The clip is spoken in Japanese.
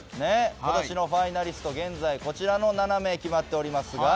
今年のファイナリスト現在こちらの７名決まっておりますが。